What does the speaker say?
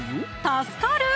助かる！